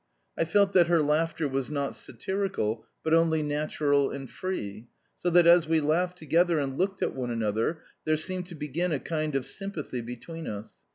I felt that her laughter was not satirical, but only natural and free; so that, as we laughed together and looked at one another, there seemed to begin a kind of sympathy between us.